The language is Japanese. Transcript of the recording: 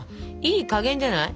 いい加減じゃない？